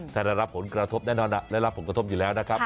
ถ้าได้รับผลกระทบแน่นอนได้รับผลกระทบอยู่แล้วนะครับ